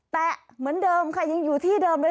แต่เหมือนเดิมค่ะยังอยู่ที่เดิมเลย